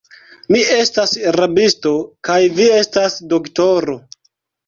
Mi estas rabisto, kaj vi estas doktoro.